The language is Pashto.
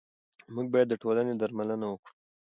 موږ باید د ټولنې درملنه وکړو.